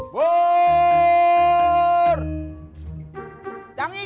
baik sama dr mbak isi